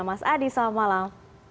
mas adi selamat malam